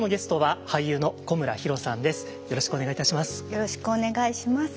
よろしくお願いします。